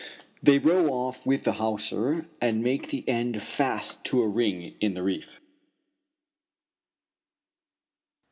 They row off with the hawser and make the end fast to a ring in the reef.